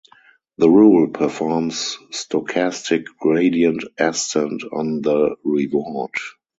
The rule performs stochastic gradient ascent on the reward.